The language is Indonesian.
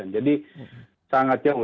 jadi sangat jauh